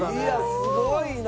すごいな！